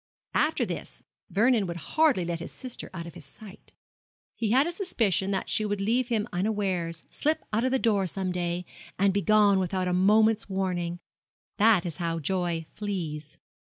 After this Vernon would hardly let his sister out of his sight. He had a suspicion that she would leave him unawares slip out of the door some day, and be gone without a moment's warning. That is how joy flees.